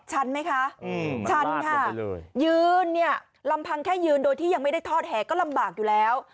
ชันไหมคะชันค่ะยืนเนี่ยลำพังแค่ยืนโดยที่ยังไม่ได้ทอดแห่ก็ลำบากอยู่แล้ว